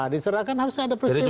diserahkan harusnya ada peristiwanya